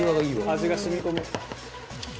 味が染み込む。